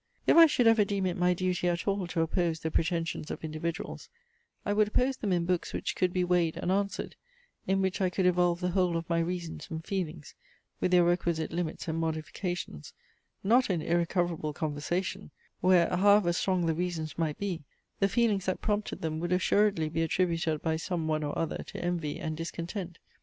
If I should ever deem it my duty at all to oppose the pretensions of individuals, I would oppose them in books which could be weighed and answered, in which I could evolve the whole of my reasons and feelings, with their requisite limits and modifications; not in irrecoverable conversation, where however strong the reasons might be, the feelings that prompted them would assuredly be attributed by some one or other to envy and discontent.